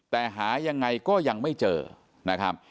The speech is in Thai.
แต่หายังไงก็ยังไม่เจอนะครับ